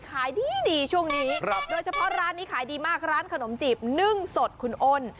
ขายดีช่วงนี้โดยเฉพาะร้านนี้ขายดีมากร้านขนมจีบนึ่งสดคุณอ้น